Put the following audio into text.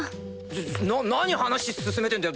ちょちょな何話進めてんだよ。